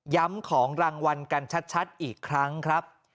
ของรางวัลกันชัดอีกครั้งครับ